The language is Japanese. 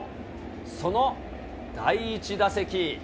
その第１打席。